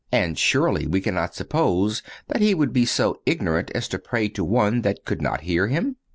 And surely we cannot suppose that he would be so ignorant as to pray to one that could not hear him.